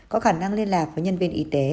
có khả năng liên lạc với nhân viên y tế